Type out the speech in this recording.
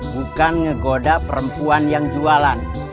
bukan ngegoda perempuan yang jualan